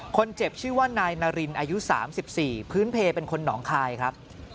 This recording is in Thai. ชื่อว่านายนารินอายุ๓๔พื้นเพลเป็นคนหนองคายครับ